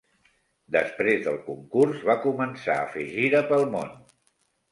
Després del concurs, va començar a fer gira pel món.